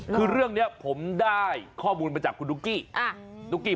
คือเรื่องนี้ผมได้ข้อมูลมาจากคุณดุ๊กกี้ดุ๊กกี้